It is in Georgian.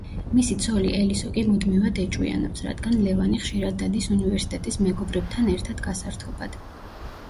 მისი ცოლი ელისო კი მუდმივად ეჭვიანობს, რადგან ლევანი ხშირად დადის უნივერსიტეტის მეგობრებთან ერთად გასართობად.